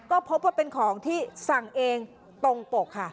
ก็พบว่าเป็นของที่สั่งเองตรงปกค่ะ